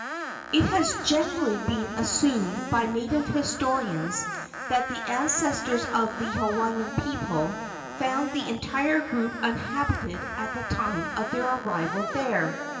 It has generally been assumed by native historians that the ancestors of the Hawaiian people found the entire group uninhabited at the time of their arrival there.